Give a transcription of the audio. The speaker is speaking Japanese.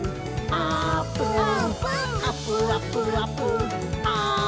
あーぷん！